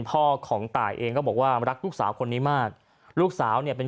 พ่อของตายเองก็บอกว่ารักลูกสาวคนนี้มากลูกสาวเนี่ยเป็น